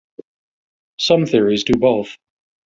Some theories do both.